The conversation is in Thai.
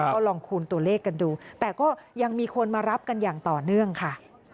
ก็ลองคูณตัวเลขกันดูแต่ก็ยังมีคนมารับกันอย่างต่อเนื่องค่ะ